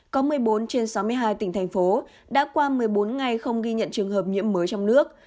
có một mươi bốn trên sáu mươi hai tỉnh thành phố đã qua một mươi bốn ngày không ghi nhận trường hợp nhiễm mới trong nước